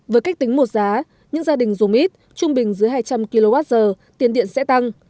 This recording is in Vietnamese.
với cách tính một giá những gia đình dùng ít trung bình dưới hai trăm linh kwh tiền điện sẽ tăng